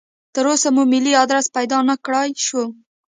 تراوسه مو ملي ادرس پیدا نکړای شو.